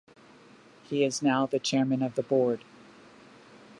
He is now the chairman of the board.